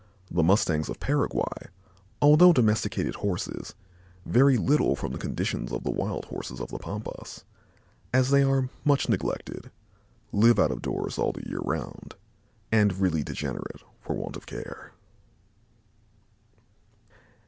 The mustangs of Paraguay, although domestic Horses, vary little from the conditions of the wild Horses of the pampas, as they are much neglected, live out of doors all the year around and really degenerate for want of care.